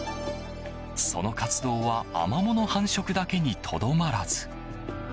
その活動はアマモの繁殖だけにとどまらず。